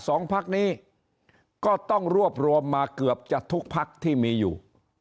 สองพักนี้ก็ต้องรวบรวมมาเกือบจะทุกพักที่มีอยู่